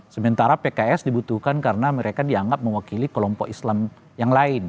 sementara pks dibutuhkan karena mereka dianggap mewakili kelompok islam yang lain